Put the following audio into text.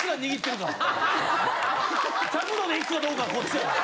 １００℃で行くかどうかはこっちや。